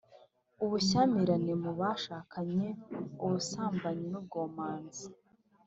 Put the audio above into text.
ubushyamirane mu bashakanye, ubusambanyi n’ubwomanzi.